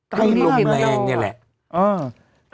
ใกล้มาก